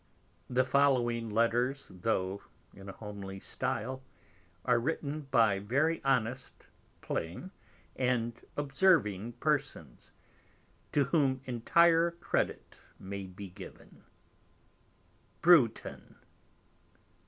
_ _The following Letters, tho' in a homely stile, are written by very honest, plain and observing Persons, to whom entire Credit may be given._ _BREWTON.